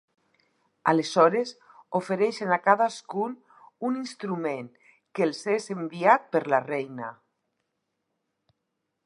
Aleshores ofereixen a cadascun un instrument que els és enviat per la Reina.